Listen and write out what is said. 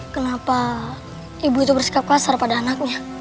kenapa ibu itu bersikap kasar pada anaknya